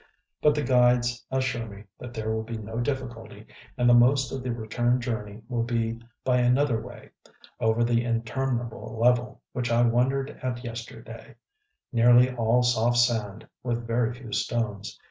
But the guides assure me that there will be no difficulty, and that most of the return journey will be by another way, over the interminable level which I wondered at yesterday, nearly all soft sand, with very few stones.